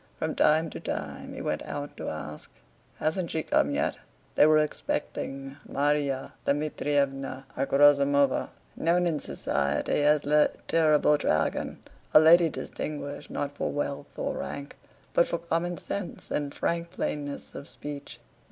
From time to time he went out to ask: "Hasn't she come yet?" They were expecting Márya Dmítrievna Akhrosímova, known in society as le terrible dragon, a lady distinguished not for wealth or rank, but for common sense and frank plainness of speech.